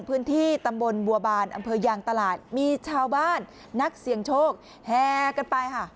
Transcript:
พื้นที่ตำบลบัวบานอำเภอยางตลาดมีชาวบ้านนักเสี่ยงโชคแห่กันไปค่ะ